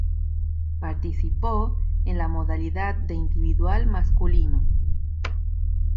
Participó en la modalidad de Individual masculino.